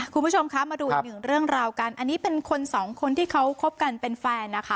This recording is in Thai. คุณผู้ชมคะมาดูอีกหนึ่งเรื่องราวกันอันนี้เป็นคนสองคนที่เขาคบกันเป็นแฟนนะคะ